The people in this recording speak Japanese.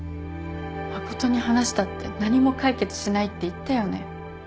真琴に話したって何も解決しないって言ったよね？